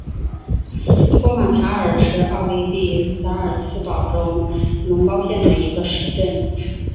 托马塔尔是奥地利萨尔茨堡州隆高县的一个市镇。